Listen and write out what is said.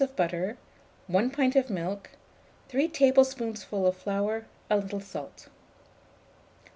of butter, 1 pint of milk, 3 tablespoonfuls of flour, a little salt.